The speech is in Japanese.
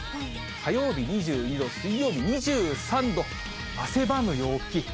火曜日２２度、水曜日２３度、汗ばむ陽気。